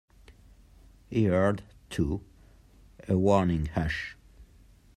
He heard, too, a warning "Hush!"